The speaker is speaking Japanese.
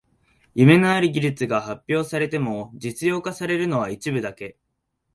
夢のある技術が発表されても実用化されるのは一部だけ